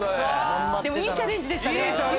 でもいいチャレンジでしたね。